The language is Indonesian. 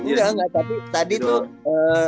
enggak enggak tadi tuh